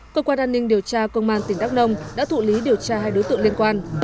công an tỉnh đắk nông đã thụ lý điều tra hai đối tượng liên quan